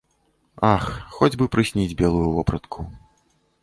Ах хоць бы прысніць белую вопратку.